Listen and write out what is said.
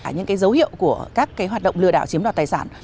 những dấu hiệu của các hoạt động lừa đảo chiếm đoạt tài sản